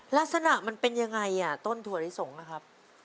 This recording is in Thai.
ลักษณะมันเป็นยังไงอ่ะต้นถั่วลิสงนะครับ